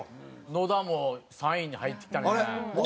野田３位に入ってきたな。